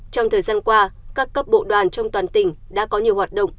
trong thời gian qua các cấp bộ đoàn trong toàn tỉnh đã có nhiều hoạt động